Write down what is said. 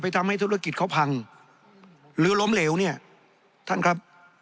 ทำให้ธุรกิจเขาพังหรือล้มเหลวเนี่ยท่านครับ